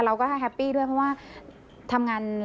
เราก็ให้แฮปปี้ด้วยเพราะว่าทำงาน